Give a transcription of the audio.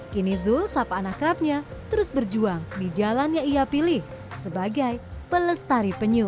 kini zul sapa anak kerapnya terus berjuang di jalan yang ia pilih sebagai pelestari penyu